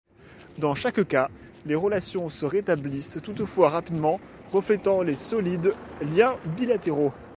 Dans chaque cas, les relations se rétablissent toutefois rapidement, reflétant les solides liens bilatéraux.